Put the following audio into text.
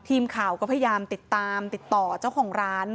ทีมข่าวก็พยายามติดตามติดต่อเจ้าของร้าน